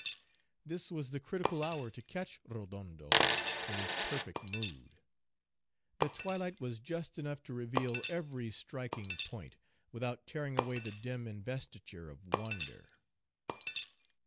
This was the critical hour to catch Rodondo in his perfect mood. The twilight was just enough to reveal every striking point, without tearing away the dim investiture of wonder.